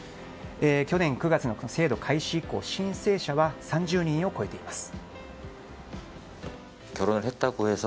去年９月の制度開始以降申請者は３０人を超えています。